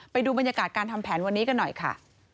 ไปดูบรรยากาศการทำแผนวันนี้กันหน่อยค่ะ